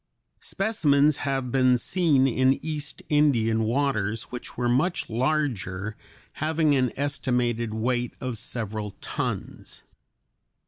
Specimens have been seen in East Indian waters which were much larger, having an estimated weight of several tons.